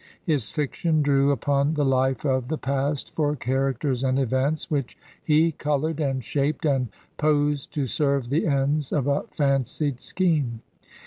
His fiction drew upon the life of the past for characters and events, which he colored and shaped and posed to serve the ends of a fancied scheme.